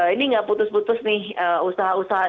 ini nggak putus putus nih usaha usaha